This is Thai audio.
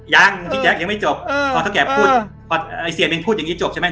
ยังพี่แจ๊คยังไม่จบพอเท่าแก่พูดพอไอ้เสียหนึ่งพูดอย่างนี้จบใช่ไหม